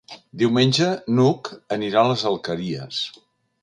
Diumenge n'Hug anirà a les Alqueries.